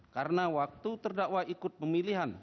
karena waktu terdakwa ikut pemilihan